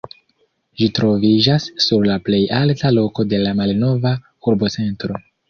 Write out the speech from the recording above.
Ĝi troviĝas sur la plej alta loko de la malnova urbocentro.